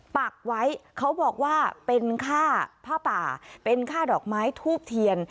ปักไว้เขาบอกว่าเป็นค่าผ้าป่าเป็นค่าดอกไม้ทูบเทียน